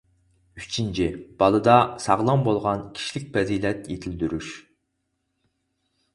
ئۈچىنچى:بالىدا ساغلام بولغان كىشىلىك پەزىلەت يېتىلدۈرۈش.